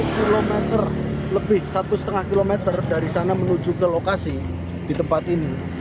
satu km lebih satu lima km dari sana menuju ke lokasi di tempat ini